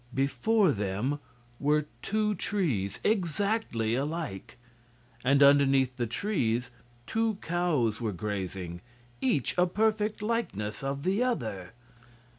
Before them were two trees, exactly alike. And underneath the trees two cows were grazing each a perfect likeness of the other.